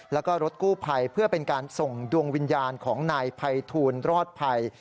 แล้วก็รถกู้ภัยเพื่อเป็นการส่งดวงวิญญาณของนายภัยทูลรอดภัย